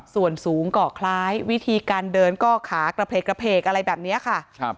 ส่วนสูงเกาะคล้ายวิธีการเดินก็ขากระเพกกระเพกอะไรแบบนี้ค่ะ